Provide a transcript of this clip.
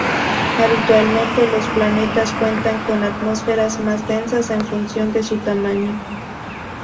Habitualmente, los planetas cuentan con atmósferas más densas en función de su tamaño.